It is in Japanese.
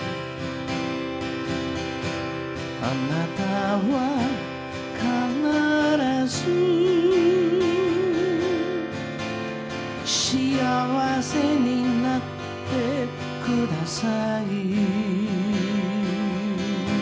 「あなたは必ずしあわせになってください」